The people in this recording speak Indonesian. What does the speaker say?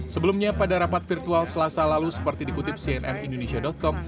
sebelumnya pada rapat virtual selasa lalu seperti dikutip cnn indonesia com